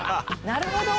なるほど！